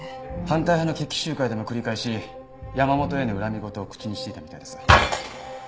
反対派の決起集会でも繰り返し山本への恨み言を口にしていたみたいです。